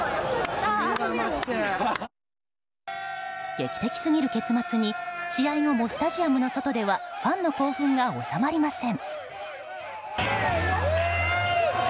劇的すぎる結末に試合後も、スタジアムの外ではファンの興奮が収まりません。